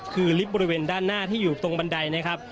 คือลิฟต์บริเวณด้านหน้าที่อยู่ตรงบันไดนะครับ